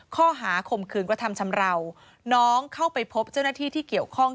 ข้อหาข่มขืนกระทำชำราวน้องเข้าไปพบเจ้าหน้าที่ที่เกี่ยวข้อง